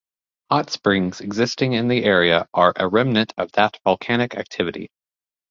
Hot springs existing in the area are a remnant of that volcanic activity.